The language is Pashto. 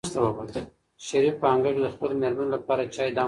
شریف په انګړ کې د خپلې مېرمنې لپاره چای دم کړ.